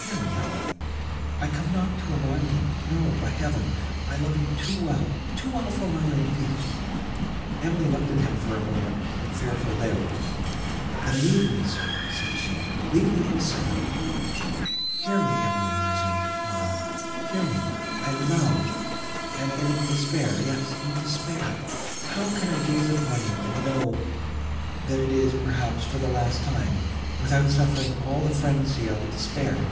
"Hear me, Emily: I come not to alarm you; no, by Heaven! I love you too well—too well for my own peace." Emily looked at him for a moment, in fearful doubt. "Then leave me, sir," said she, "leave me instantly." "Hear me, Emily," resumed Morano, "hear me! I love, and am in despair—yes—in despair. How can I gaze upon you, and know, that it is, perhaps, for the last time, without suffering all the frenzy of despair?